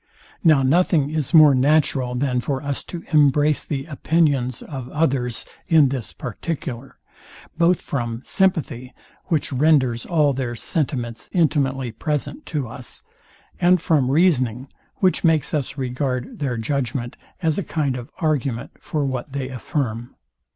Now nothing is more natural than for us to embrace the opinions of others in this particular; both from sympathy, which renders all their sentiments intimately present to us; and from reasoning, which makes us regard their judgment, as a kind of argument for what they affirm.